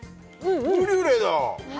ブリュレだ！